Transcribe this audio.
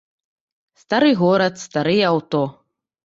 Стары горад, старыя аўто.